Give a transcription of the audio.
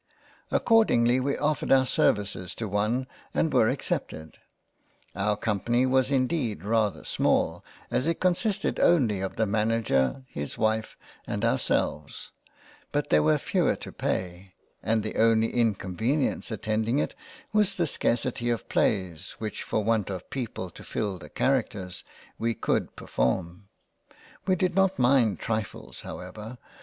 Accordingly we offered our services to one and were accepted ; our Company was indeed rather small, as it consisted only of the Manager his wife and ourselves, but there were fewer to 40 LOVE AND FREINDSHIP £ pay and the only inconvenience attending it was the Scarcity of Plays which for want of People to fill the Characters, we could perform. We did not mind trifles however —